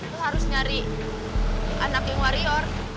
lu harus nyari anak geng warrior